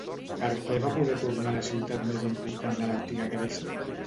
Per què va poder tornar a la ciutat més important de l'antiga Grècia?